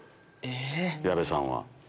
矢部さんは。